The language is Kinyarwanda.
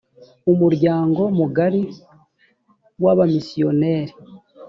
umuryango mugari w’abamisiyoneri